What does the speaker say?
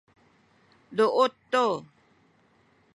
duut tu